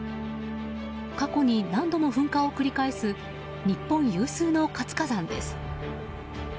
過去に何度も噴火を繰り返す日本有数の活火山です。